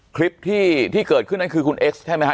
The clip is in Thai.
คลิปที่เกิดขึ้นนั้นคือคุณเอ็กซ์ใช่ไหมฮ